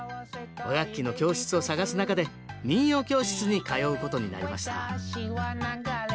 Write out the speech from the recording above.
和楽器の教室を探す中で民謡教室に通うことになりました